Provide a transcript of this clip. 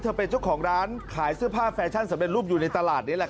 เป็นเจ้าของร้านขายเสื้อผ้าแฟชั่นสำเร็จรูปอยู่ในตลาดนี้